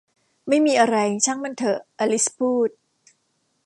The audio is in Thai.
ไม่มีอะไร ช่างมันเถอะ อลิสพูด